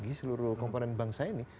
bagi seluruh komponen bangsa ini